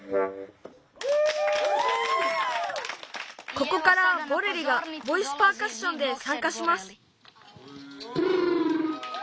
ここからボレリがボイスパーカッションでさんかします。